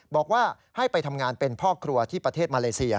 บอกว่าให้ไปทำงานเป็นพ่อครัวที่ประเทศมาเลเซีย